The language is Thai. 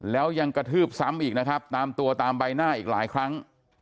แล้วยังกระทืบซ้ำอีกนะครับตามตัวตามใบหน้าอีกหลายครั้ง